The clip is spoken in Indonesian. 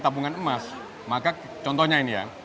tabungan emas maka contohnya ini ya